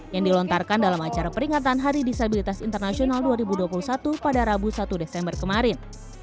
yang dilontarkan dalam acara peringatan hari disabilitas internasional dua ribu dua puluh satu pada rabu satu desember kemarin